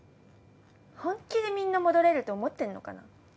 本気でみんな戻れると思ってんのかな